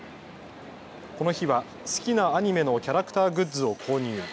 この日は好きなアニメのキャラクターグッズを購入。